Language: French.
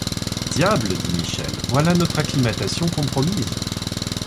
Diable! dit Michel, voilà notre acclimatation compromise !